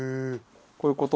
こういう事？